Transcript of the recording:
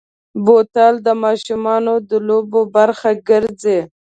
بوتل د ماشومو د لوبو برخه ګرځي.